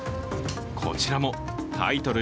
こちらもタイトル